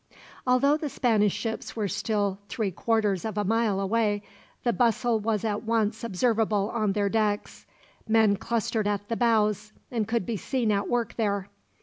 Although the Spanish ships were still three quarters of a mile away, a bustle was at once observable on their decks. Men clustered at the bows, and could be seen at work there.